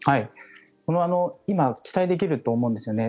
今、期待できると思うんですよね。